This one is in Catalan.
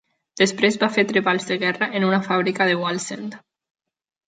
Després va fer treballs de guerra en una fàbrica de Wallsend.